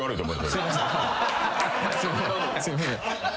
すいません。